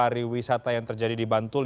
di wisata yang terjadi di bantul